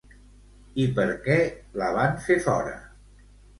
I per què la van fer fora?